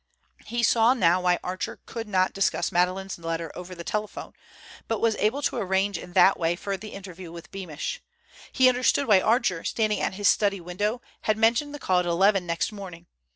He saw now why Archer could not discuss Madeleine's letter over the telephone, but was able to arrange in that way for the interview with Beamish. He understood why Archer, standing at his study window, had mentioned the call at eleven next morning.